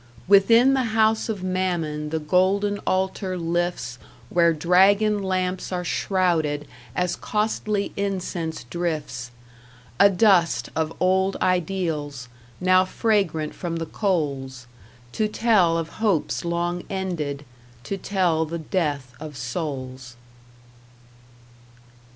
Within the House of Mammon the golden altar lifts Where dragon lamps are shrouded as costly incense drifts A dust of old ideals, now fragrant from the coals, To tell of hopes long ended, to tell the death of souls.